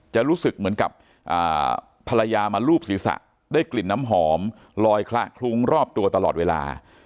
จะรู้สึกเหมือนกับภรรยามาลูบศีรษะได้กลิ่นน้ำหอมลอยคละคลุ้งรอบตัวตลอดเวลา